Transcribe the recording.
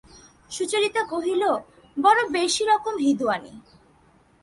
সুচরিতা কহিল, বড়ো বেশি রকম হিঁদুয়ানি।